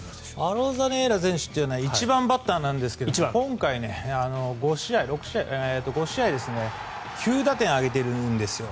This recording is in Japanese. アロザレーナ選手は１番バッターなんですが今回、５試合９打点挙げてるんですよ。